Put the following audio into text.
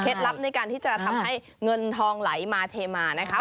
ลับในการที่จะทำให้เงินทองไหลมาเทมานะคะ